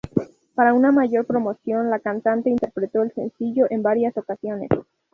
Para una mayor promoción, la cantante interpretó el sencillo en varias ocasiones.